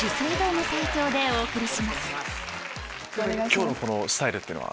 今日のスタイルというのは？